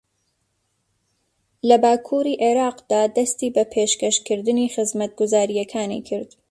لە باکووری عێراقدا دەستی بە پێشەکەشکردنی خزمەتگوزارییەکانی کرد